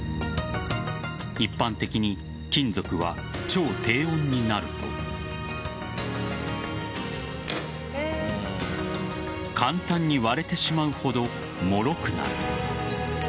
一般的に金属は超低温になると簡単に割れてしまうほどもろくなる。